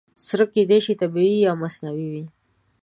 سرې کیدای شي طبیعي او یا مصنوعي وي.